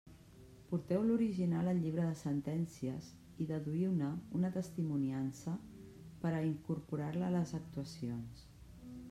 Porteu l'original al llibre de sentències i deduïu-ne una testimoniança per a incorporar-la a les actuacions.